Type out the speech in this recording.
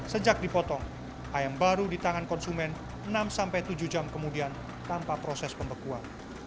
sejak dipotong ayam baru di tangan konsumen enam tujuh jam kemudian tanpa proses pembekuan